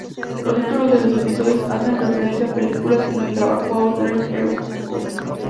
Los títulos de los episodios hacen referencia a películas en donde trabajó Audrey Hepburn.